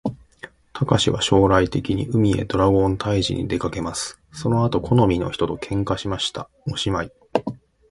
たかしは将来的に、海へドラゴン退治にでかけます。その後好みの人と喧嘩しました。おしまい